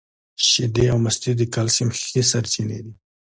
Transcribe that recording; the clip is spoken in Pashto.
شیدې او مستې د کلسیم ښې سرچینې دي